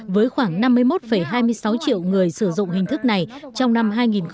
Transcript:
với khoảng năm mươi một hai mươi sáu triệu người sử dụng hình thức này trong năm hai nghìn một mươi chín